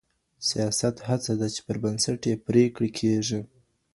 سياست هڅه ده چې پر بنسټ يې پرېکړي کېږي.